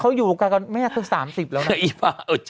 เขาอยู่กลุ่มการกับแม่คือ๓๐แล้วนะ